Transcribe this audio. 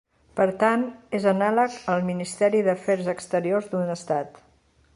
Per tant, és anàleg al Ministeri d'Afers Exteriors d'un estat.